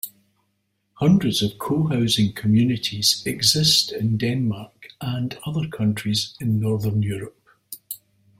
Hundreds of cohousing communities exist in Denmark and other countries in northern Europe.